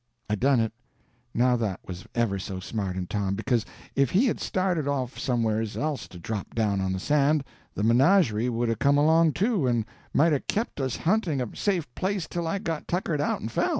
I done it. Now that was ever so smart in Tom, because if he had started off somewheres else to drop down on the sand, the menagerie would 'a' come along, too, and might 'a' kept us hunting a safe place till I got tuckered out and fell.